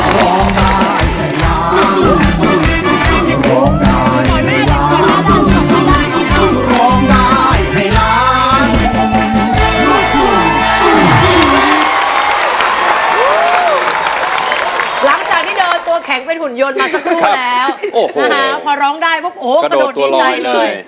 ร้องร้องได้ร้อง